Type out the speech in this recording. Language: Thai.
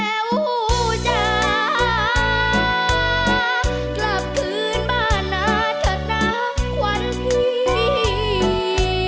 แต่วจากกลับมาท่าน้าที่รักอย่าช้านับสิสามเชย